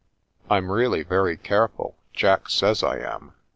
" I'm really very careful ; Jack says I am.